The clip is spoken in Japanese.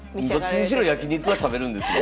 どっちにしろ焼き肉は食べるんですね？